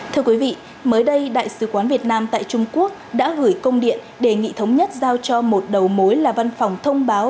thưa quý vị mới đây đại sứ quán việt nam tại trung quốc đã gửi công điện đề nghị thống nhất giao cho một đầu mối là văn phòng thông báo